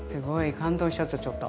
感動しちゃったちょっと。